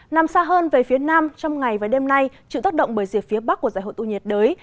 nằm xa hơn về phía nam trong ngày và đêm nay chịu tác động bởi rìa phía bắc của giải hội tụ nhiệt đới